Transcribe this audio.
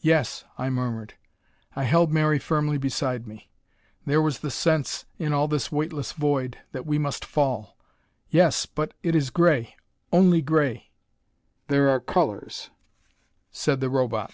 "Yes," I murmured. I held Mary firmly beside me; there was the sense, in all this weightless void, that we must fall. "Yes, but it is gray; only gray." "There are colors," said the Robot.